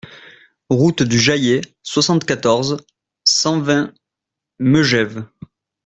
Route du Jaillet, soixante-quatorze, cent vingt Megève